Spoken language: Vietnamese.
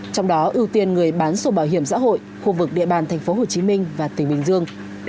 trong đó ưu tiên người bán sổ bảo hiểm xã hội khu vực địa bàn tp hcm và tỉnh bình dương